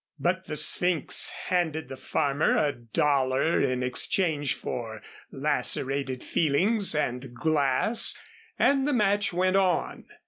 But the Sphynx handed the farmer a dollar in exchange for lacerated feelings and glass, and the match went on.